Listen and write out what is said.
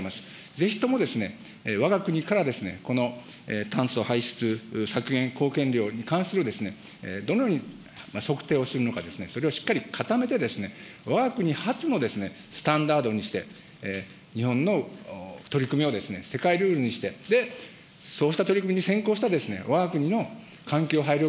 ぜひともわが国からこの炭素排出削減貢献量に関する、どのように測定をするのか、それをしっかり固めて、わが国発のスタンダードにして、日本の取り組みをですね、世界ルールにして、で、そうした取り組みに先行したわが国の環境配慮